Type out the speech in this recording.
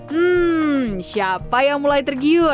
hmm siapa yang mulai tergiur